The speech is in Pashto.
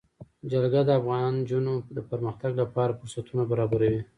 جلګه د افغان نجونو د پرمختګ لپاره فرصتونه برابروي.